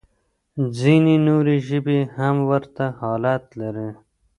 ځينې نورې ژبې هم ورته حالت لري.